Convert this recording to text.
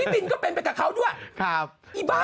อีพี่ปินก็เป็นไปกับเขาด้วยอีบ้า